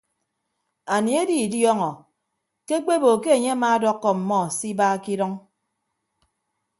Anie edidiọọñọ ke ekpebo ke enye amaadọkkọ ọmmọ se iba ke idʌñ.